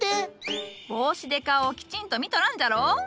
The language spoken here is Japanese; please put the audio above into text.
帽子で顔をきちんと見とらんじゃろ？